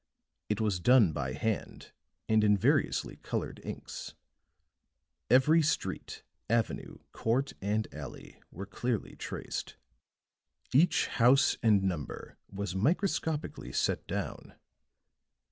It was done by hand and in variously colored inks; every street, avenue, court and alley were clearly traced; each house and number was microscopically set down.